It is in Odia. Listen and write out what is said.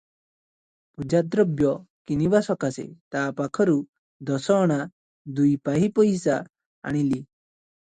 ପୂଜାଦ୍ରବ୍ୟ କିଣିବା ସକାଶେ ତା ପାଖରୁ ଦଶ ଅଣା ଦୁଇ ପାହି ପଇସା ଆଣିଲି ।